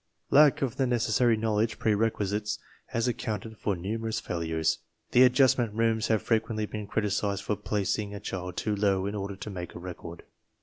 Lack of the necessary knowledge prerequisites has accounted for numerous failures. The Adjustment Rooms have frequently been criticized for "placing" a child too low in order to make a record.